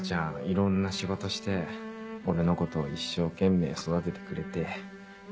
いろんな仕事して俺のことを一生懸命育ててくれて。